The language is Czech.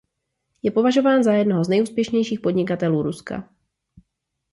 Je považován za jednoho z nejúspěšnějších podnikatelů Ruska.